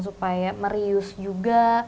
supaya merius juga